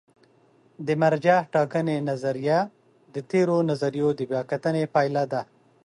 د مرجع ټاکنې نظریه د تېرو نظریو د بیا کتنې پایله ده.